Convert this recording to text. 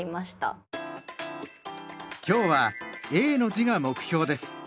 今日は「永」の字が目標です。